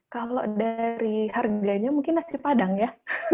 kalau dari harganya mungkin nasi padang ya